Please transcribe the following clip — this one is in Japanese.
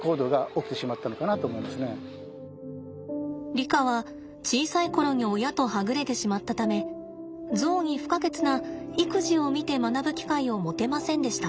リカは小さい頃に親とはぐれてしまったためゾウに不可欠な育児を見て学ぶ機会を持てませんでした。